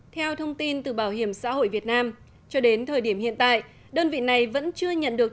theo thông tin từ bảo hiểm xã hội việt nam cho đến thời điểm hiện tại đơn vị này vẫn chưa nhận được